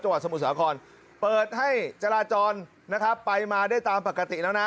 สมุทรสาครเปิดให้จราจรนะครับไปมาได้ตามปกติแล้วนะ